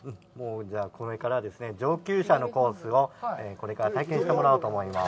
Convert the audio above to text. じゃあ、これからですね、上級者のコースを体験してもらおうと思います。